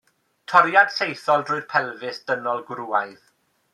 Toriad saethol drwy'r pelfis dynol gwrywaidd.